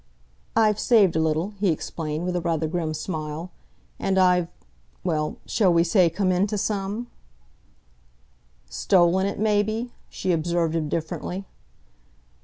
"I've saved a little," he explained, with a rather grim smile, "and I've well, shall we say come into some?" "Stolen it, maybe," she observed indifferently.